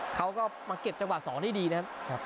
เขาก็มาเก็บจังหวะ๒ได้ดีนะครับ